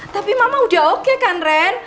tapi memang udah oke kan ren